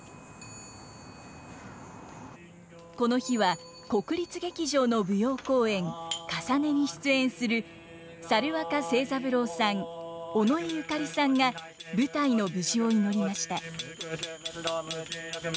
この日は国立劇場の舞踊公演「かさね」に出演する猿若清三郎さん尾上紫さんが舞台の無事を祈りました。